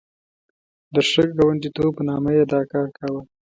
د ښه ګاونډیتوب په نامه یې دا کار کاوه.